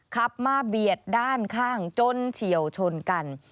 ขับมาเบียดด้านข้างจนเฉียวชนกัน